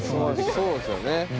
そうですよね。